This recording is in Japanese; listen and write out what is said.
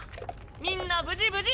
みんな無事無事。